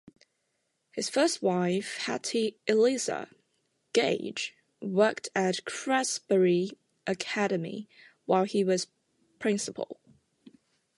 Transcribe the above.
His first wife Hattie Eliza Gage worked at Craftsbury Academy while he was principal.